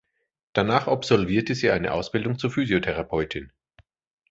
Danach absolvierte sie eine Ausbildung zur Physiotherapeutin.